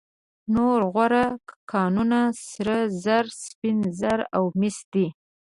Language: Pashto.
نور غوره کانونه سره زر، سپین زر او مس دي.